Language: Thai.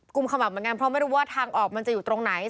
ขมับเหมือนกันเพราะไม่รู้ว่าทางออกมันจะอยู่ตรงไหน